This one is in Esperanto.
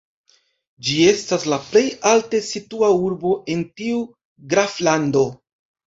Ĝi estas la plej alte situa urbo en tiu graflando.